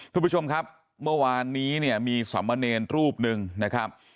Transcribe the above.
คุณผู้ชมครับเมื่อวานนี้เนี่ยมีสามเณรรูปหนึ่งนะครับ